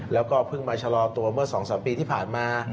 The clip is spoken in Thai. แล้วก็เพิ่งมาชะลอตัวเมื่อ๒๓ปีที่ผ่านมา